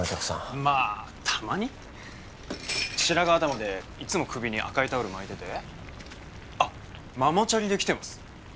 まあたまに白髪頭でいっつも首に赤いタオル巻いててあっママチャリで来てます